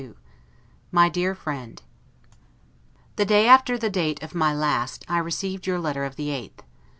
S. 1752 MY DEAR FRIEND: The day after the date of my last, I received your letter of the 8th.